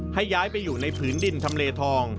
ให้ย้ายไปอยู่ในผืนดินทำเลทอง